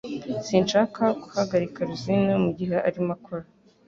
Sinshaka guhagarika Rusine mugihe arimo akora